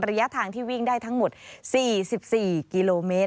ระยะทางที่วิ่งได้ทั้งหมด๔๔กิโลเมตร